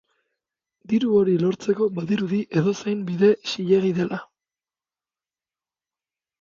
Diru hori lortzeko badirudi edozein bide zilegi dela.